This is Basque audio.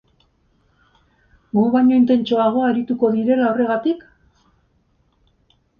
Gu baino intentsoago arituko direla horregatik?